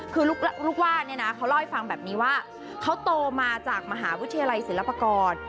คือลูกว่าเนี่ยนะเขาเล่าให้ฟังแบบนี้ว่าเขาโตมาจากมหาวิทยาลัยศิลปากร